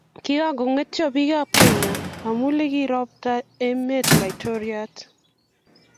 Kikakongetyo bik ab Kenya amu likiripto emet laitoriat